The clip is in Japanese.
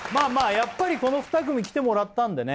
やっぱりこの２組来てもらったんでね